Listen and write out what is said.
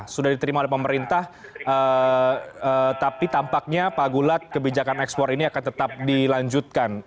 sudah diterima oleh pemerintah tapi tampaknya pak gulat kebijakan ekspor ini akan tetap dilanjutkan